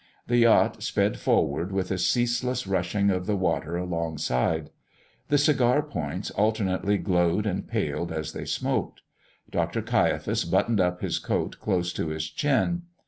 The yacht sped forward, with a ceaseless rushing of the water alongside. The cigar points alternately glowed and paled as they smoked. Dr. Caiaphas buttoned up his coat close to his chin.